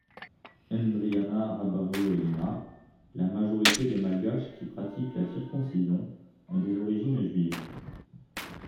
Ndriana Rabarioelina, la majorité des Malgaches qui pratiquent la circoncision ont des origines juives.